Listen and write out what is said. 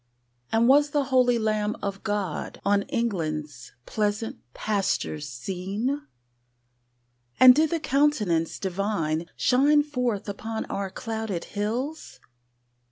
And was the holy Lamb of God On England's pleasant pastures seen? And did the Countenance Divine Shine forth upon our clouded hills?